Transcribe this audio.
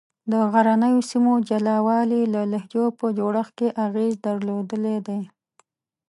د غرنیو سیمو جلا والي د لهجو په جوړښت کې اغېز درلودلی دی.